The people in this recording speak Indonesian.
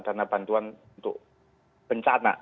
dana bantuan untuk bencana